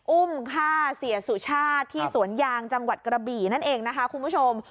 อุ้มฆ่าเสียสุชาติที่สวนยางจังหวัดกระบี่นั่นเองนะคะคุณผู้ชม